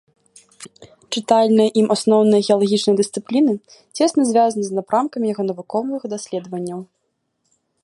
Чытальныя ім асноўныя геалагічныя дысцыпліны цесна звязаны з напрамкамі яго навуковых даследаванняў.